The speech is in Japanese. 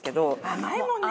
甘いもんね。